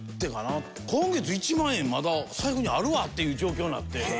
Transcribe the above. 今月１万円まだ財布にあるわっていう状況になって。